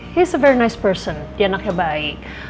dia orang yang baik dia anaknya baik